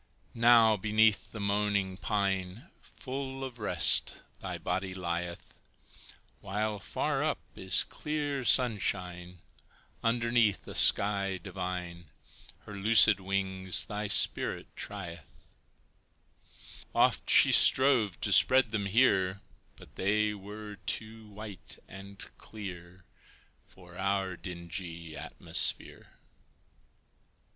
Now, beneath the moaning pine, Full of rest, thy body lieth, While far up is clear sunshine, Underneath a sky divine, Her loosed wings thy spirit trieth; Oft she strove to spread them here, But they were too white and clear For our dingy atmosphere.